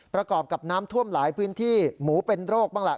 ประกอบกับน้ำท่วมหลายพื้นที่หมูเป็นโรคบ้างแหละ